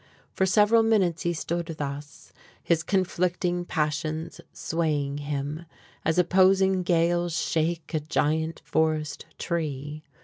For several minutes he stood thus, his conflicting passions swaying him, as opposing gales shake a giant forest tree.